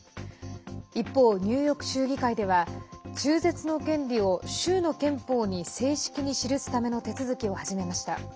一方、ニューヨーク州議会では中絶の権利を州の憲法に正式に記すための手続きを始めました。